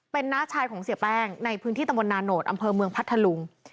เป็นน้าชายของเสียแป้งในพื้นที่ตะมนตอำเภอเมืองพัทธลุง